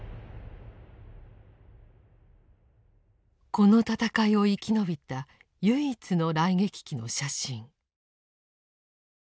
この戦いを生き延びた唯一の雷撃機の写真。